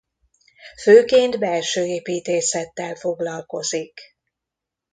Főként belsőépítészettel foglalkozik.